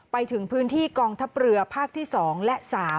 ไปถึงพื้นที่กองทัพเรือภาคที่๒และ๓